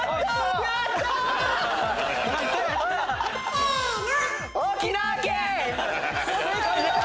・せの！